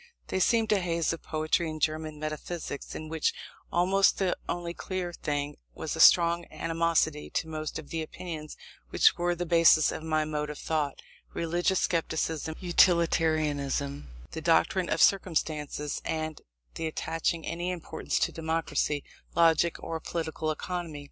They seemed a haze of poetry and German metaphysics, in which almost the only clear thing was a strong animosity to most of the opinions which were the basis of my mode of thought; religious scepticism, utilitarianism, the doctrine of circumstances, and the attaching any importance to democracy, logic, or political economy.